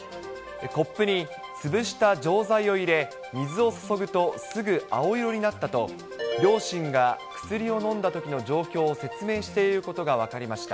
コップに潰した錠剤を入れ、水を注ぐとすぐ青色になったと、両親が薬を飲んだときの状況を説明していることが分かりました。